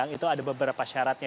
dan itu ada beberapa syaratnya